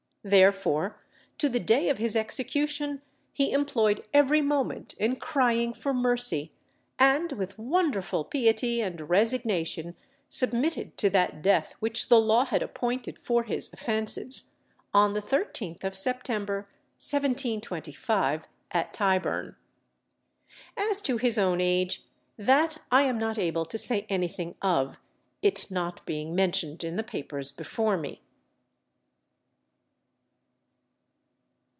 Therefore, to the day of his execution, he employed every moment in crying for mercy, and with wonderful piety and resignation submitted to that death which the law had appointed for his offences; on the 13th of September, 1725, at Tyburn. As to his own age, that I am not able to say anything of, it not being mentioned in the papers before me.